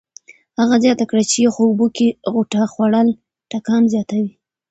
هغه زیاته کړه چې یخو اوبو کې غوطه خوړل ټکان زیاتوي.